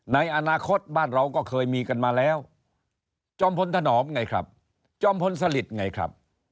ในอนาคตบ้านเราก็เคยมีกันมาแล้วจอมพลถนอมไงครับจอมพลสลิดไงครับ